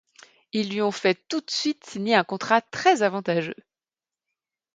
Ils lui ont fait tout de suite signer un contrat très avantageux.